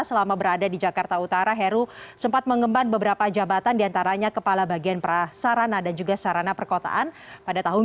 selama berada di jakarta utara heru sempat mengemban beberapa jabatan diantaranya kepala bagian prasarana dan juga sarana perkotaan pada tahun dua ribu dua